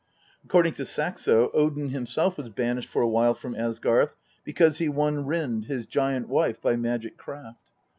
According to Saxo, Odin himself was banished for a while from Asgarth because he won Rind, his giant wife, by magic craft.